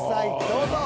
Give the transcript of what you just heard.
どうぞ。